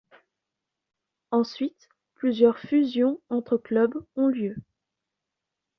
Ensuite, plusieurs fusions entre clubs ont lieu.